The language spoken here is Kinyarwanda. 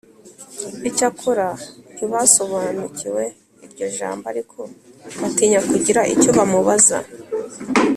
Icyakora ntibasobanukiwe iryo jambo ariko batinya kugira icyo bamubaza